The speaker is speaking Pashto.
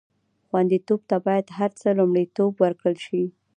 خوندیتوب ته باید تر هر څه لومړیتوب ورکړل شي.